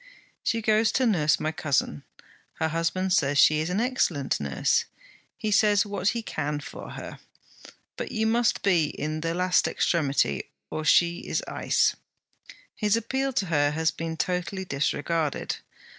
She goes to nurse my cousin. Her husband says she is an excellent nurse. He says what he can for her. But you must be in the last extremity, or she is ice. His appeal to her has been totally disregarded.